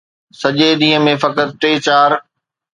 سڄي ڏينهن ۾ فقط ٽي چار.